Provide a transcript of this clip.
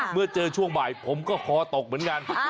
เมื่อเจอช่วงบ่ายผมก็คอตกเหมือนกัน